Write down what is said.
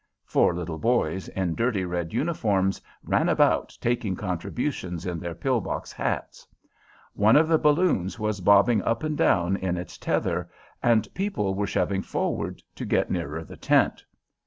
Four little boys in dirty red uniforms ran about taking contributions in their pillbox hats. One of the balloons was bobbing up and down in its tether and people were shoving forward to get nearer the tent.